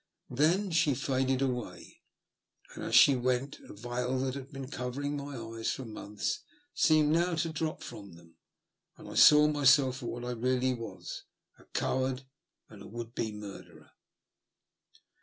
Then she faded away ; and, as she went, a veil that had been covering my eyes for months seemed now to drop from them, and I saw myself for what I really was — a coward and a would be murderer.